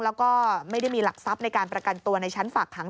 แล้วก็ไม่ได้มีหลักทรัพย์ในการประกันตัวในชั้นฝากขัง